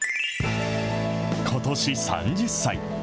ことし３０歳。